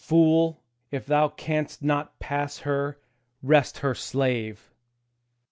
Fool, if thou canst not pass her, rest her slave!